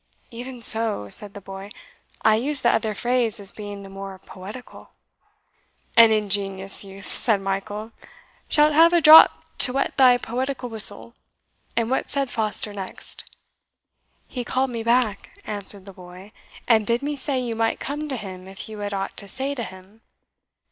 "Even so," said the boy; "I used the other phrase as being the more poetical." "An ingenious youth," said Michael; "shalt have a drop to whet thy poetical whistle. And what said Foster next?" "He called me back," answered the boy, "and bid me say you might come to him if you had aught to say to him."